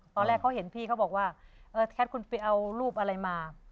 ตอนแรกเค้าเห็นพี่เค้าบอกว่าเออคัทคุณเอารูปอะไรมา